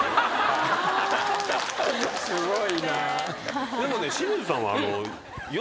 すごいな。